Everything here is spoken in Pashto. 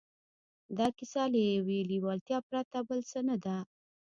دا کیسه له یوې لېوالتیا پرته بل څه نه ده